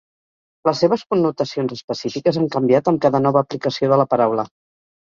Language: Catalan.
Les seves connotacions específiques han canviat amb cada nova aplicació de la paraula.